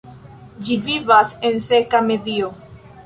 Ĝi vivas en seka medio.